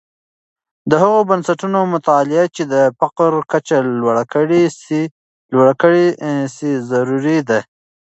د هغه بنسټونو مطالعه چې د فقر کچه لوړه کړې سي، ضروری ده.